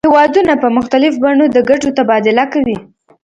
هیوادونه په مختلفو بڼو د ګټو تبادله کوي